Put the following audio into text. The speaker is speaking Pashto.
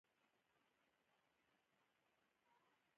زه یې ډېر زیات منندوی یم او د هغې احسان پر ما دی.